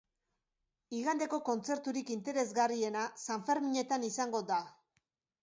Igandeko kontzerturik interesgarriena sanferminetan izango da.